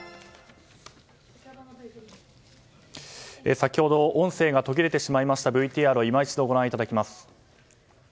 先ほど、音声が途切れてしまいましたＶＴＲを今一度ご覧いただきます。